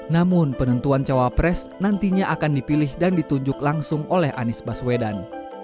namun penentuan cawapres nantinya akan dipilih dan ditunjuk langsung oleh anies baswedan